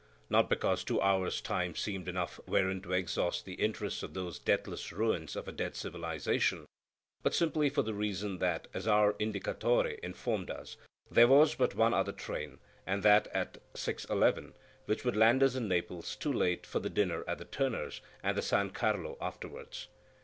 Not because two hours time seemed enough wherein to exhaust the interests of those deathless ruins of a dead civilization, but simply for the reason that, as our Indicatore informed us, there was but one other train, and that at 6.11, which would land us in Naples too late for the dinner at the Turners and the San Carlo afterwards.